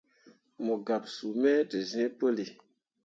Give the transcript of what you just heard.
Mo gaɓsuu me te zĩĩ puli.